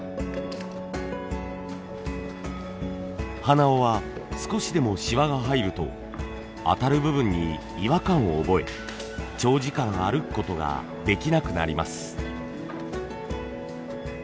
鼻緒は少しでもシワが入ると当たる部分に違和感を覚え長時間歩く事ができなくなります。